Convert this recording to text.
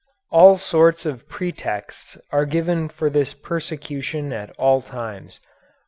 All sorts of pretexts are given for this persecution at all times.